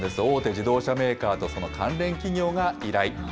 大手自動車メーカーとその関連企業が依頼。